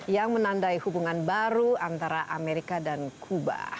yang menandai hubungan baru antara amerika dan kuba